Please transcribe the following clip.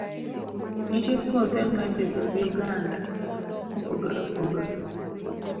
Nitiere kothe ma ipidho gi oganda mopogore opogore.